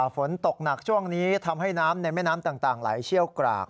ฝนตกหนักช่วงนี้ทำให้น้ำในแม่น้ำต่างไหลเชี่ยวกราก